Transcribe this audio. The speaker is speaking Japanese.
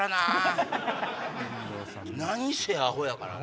何せアホやからな。